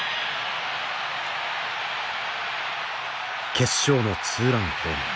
決勝のツーランホームラン。